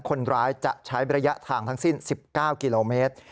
คนร้ายจะใช้ระยะทางทั้งสิ้น๑๙กิโลเมตร